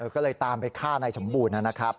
ก็เลยตามไปฆ่านายสมบูรณ์นะครับ